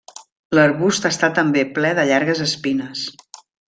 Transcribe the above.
L'arbust està també ple de llargues espines.